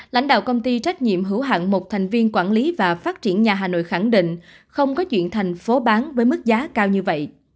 lãnh đạo công ty trách nhiệm hữu hạng một thành viên quản lý và phát triển nhà hà nội khẳng định không có chuyện thành phố bán với mức giá cao như vậy